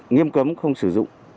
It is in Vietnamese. nghiêm cấm không sử dụng